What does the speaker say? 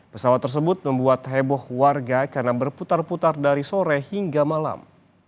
pesawat tersebut membuat heboh warga karena berputar putar dari sore hingga malam